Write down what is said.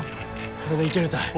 これでいけるたい。